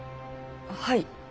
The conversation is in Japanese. はい。